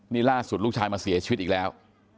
นี่ล่าสุดลูกชายมาเสียชีวิตอีกแล้ว